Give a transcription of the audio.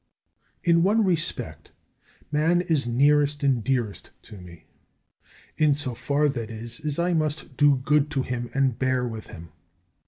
20. In one respect man is nearest and dearest to me; in so far, that is, as I must do good to him and bear with him.